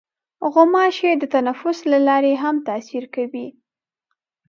غوماشې د تنفس له لارې هم تاثیر کوي.